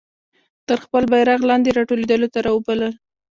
تر خپل بیرغ لاندي را ټولېدلو ته را وبلل.